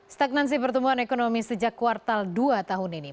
stagnansi pertumbuhan ekonomi sejak kuartal dua tahun ini